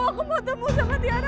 aku gak ketemu sama tiara